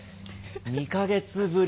２か月ぶり？